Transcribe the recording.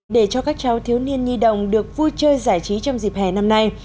để cho các cháu thiếu niên nhi đồng được vui chơi giải trí trong dịp hè năm nay